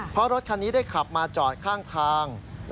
เพราะรถคันนี้ได้ขับมาจอดข้างทาง